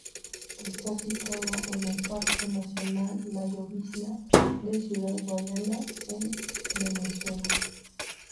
Está situada en el Parque Nacional La Llovizna de Ciudad Guayana en Venezuela.